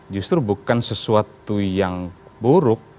justru bukan sesuatu yang buruk